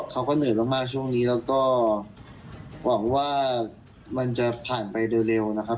เขาก็เหนื่อยมากช่วงนี้แล้วก็หวังว่ามันจะผ่านไปเร็วนะครับ